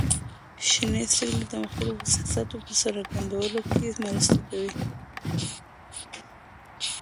• شنې سترګې د مختلفو احساساتو په څرګندولو کې مرسته کوي.